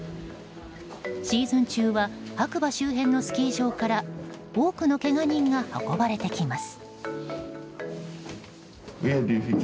シーズン中は白馬周辺のスキー場から多くのけが人が運ばれてきます。